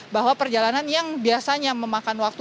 bahwa perjalanan yang biasanya memakan waktu